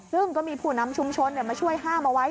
ซึ่งก็มีผู้นำชุมชนมาช่วยห้ามเอาไว้